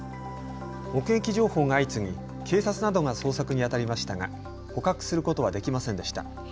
目撃情報が相次ぎ、警察などが捜索にあたりましたが捕獲することはできませんでした。